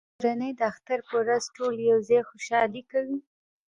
زموږ کورنۍ د اختر په ورځ ټول یو ځای خوشحالي کوي